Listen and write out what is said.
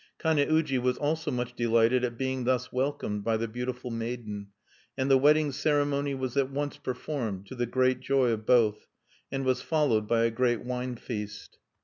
Kane uji was also much delighted at being thus welcomed by the beautiful maiden. And the wedding ceremony was at once performed, to the great joy of both, and was followed by a great wine feast.